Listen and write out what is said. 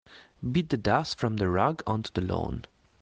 Beat the dust from the rug onto the lawn.